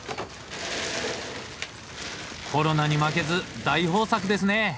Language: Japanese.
コロナに負けず大豊作ですね。